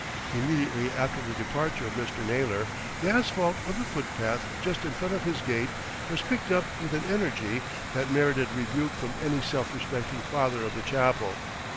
Immediately after the departure of Mr. Naylor, the asphalt of the footpath just in front of his gate was picked up with an energy that merited rebuke from any self respecting father of the chapel.